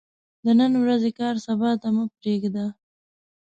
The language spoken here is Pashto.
د نن ورځې کار سبا ته مه پريږده